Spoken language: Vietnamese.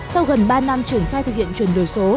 sau gần ba năm triển khai thực hiện chuyển đổi số